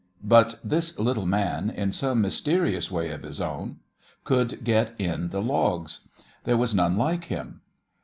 But this little man, in some mysterious way of his own, could get in the logs. There was none like him.